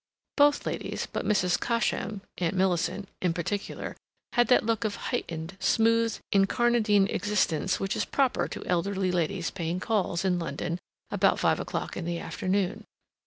Both ladies, but Mrs. Cosham (Aunt Millicent) in particular, had that look of heightened, smoothed, incarnadined existence which is proper to elderly ladies paying calls in London about five o'clock in the afternoon.